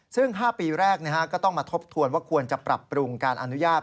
ซึ่ง๕ปีแรกก็ต้องมาทบทวนว่าควรจะปรับปรุงการอนุญาต